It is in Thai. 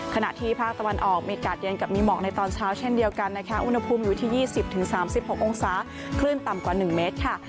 ขณะที่ภาคตะวันออกมีอากาศเย็นกับมีหมอกในตอนเช้าเช่นเดียวกันนะคะอุณหภูมิอยู่ที่๒๐๓๖องศาคลื่นต่ำกว่า๑เมตรค่ะ